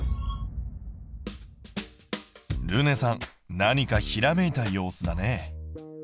るねさん何かひらめいた様子だね。